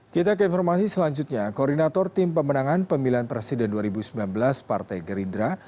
kita ke informasi selanjutnya koordinator tim pemenangan pemilihan presiden dua ribu sembilan belas partai gerindra